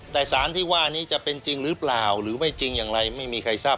แต่สารที่ว่านี้จะเป็นจริงหรือเปล่าหรือไม่จริงอย่างไรไม่มีใครทราบ